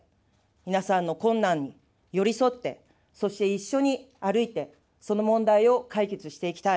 皆さんの困難に寄り添って、そして一緒に歩いて、その問題を解決していきたい。